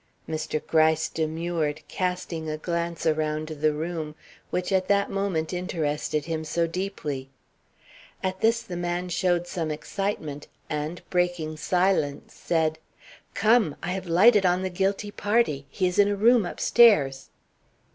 Mr. Gryce demurred, casting a glance around the room, which at that moment interested him so deeply. At this the man showed some excitement, and, breaking silence, said: "Come! I have lighted on the guilty party. He is in a room upstairs."